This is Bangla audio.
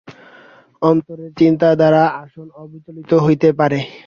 অনন্তের চিন্তা দ্বারা আসন অবিচলিত হইতে পারে।